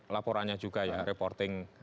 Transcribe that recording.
laporannya juga ya reporting